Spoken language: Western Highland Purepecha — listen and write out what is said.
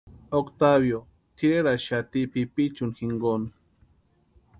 Octavio tʼireraxati pipichuni jinkoni.